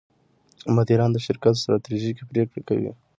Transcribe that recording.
مدیران د شرکت ستراتیژیکې پرېکړې کوي.